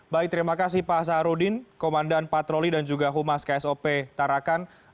baik terima kasih pak saharudin komandan patroli dan juga humas ksop tarakan